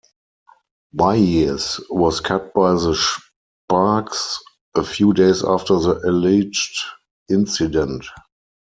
Byears was cut by the Sparks a few days after the alleged incident.